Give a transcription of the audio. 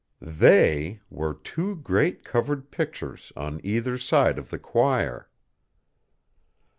"They" were two great covered pictures on either side of the choir.